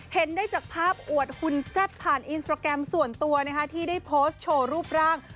เห็นได้จากภาพอวดหุ่นแซ่บผ่านอินสตราแกรมส่วนตัวนะคะที่ได้โพสต์โชว์รูปร่าง